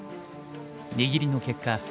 握りの結果